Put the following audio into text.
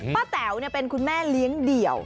แต๋วเป็นคุณแม่เลี้ยงเดี่ยว